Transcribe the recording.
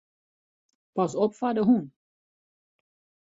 Pas op foar de hûn.